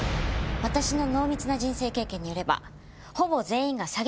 私の濃密な人生経験によればほぼ全員が詐欺師顔です。